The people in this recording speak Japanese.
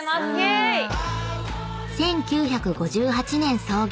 ［１９５８年創業］